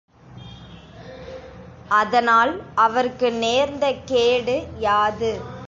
அதனால் அவர்க்கு நேர்ந்த கேடு யாது?